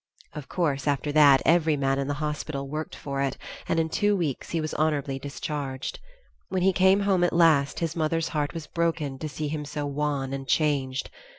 Of course after that every man in the hospital worked for it, and in two weeks he was honorably discharged. When he came home at last, his mother's heart was broken to see him so wan and changed.